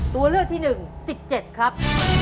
ตัวเลือกที่๑๑๗ครับ